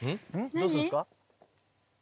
どうするんですか？